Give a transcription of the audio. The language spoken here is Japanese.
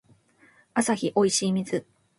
アサヒおいしい水